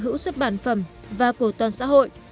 chủ sở hữu xuất bản phẩm và của toàn xã hội